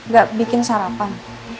gak bikin sarapan